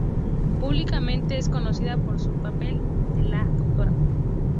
Públicamente es conocida por su papel de la Dra.